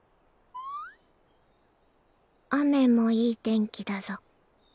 雨もいい天気だぞ。